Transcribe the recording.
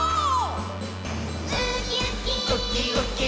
「ウキウキ」ウキウキ。